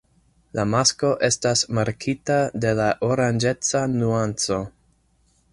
La masko estas markita de la oranĝeca nuanco.